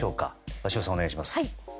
鷲尾さん、お願いします。